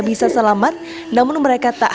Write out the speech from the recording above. bisa selamat namun mereka tak